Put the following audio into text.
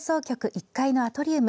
１階のアトリウム。